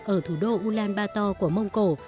ở thủ đô ulaanbaatar của mông cổ